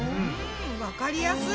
わかりやすい！